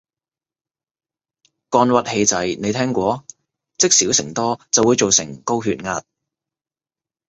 肝鬱氣滯，你聽過？積少成多就會做成高血壓